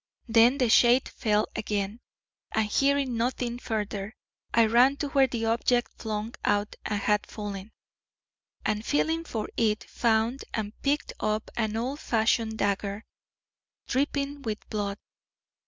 Then the shade fell again, and hearing nothing further, I ran to where the object flung out had fallen, and feeling for it, found and picked up an old fashioned dagger, dripping with blood.